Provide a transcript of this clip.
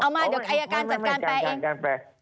มาเดี๋ยวอายการจัดการแปลเอง